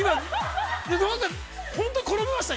本当に転びました？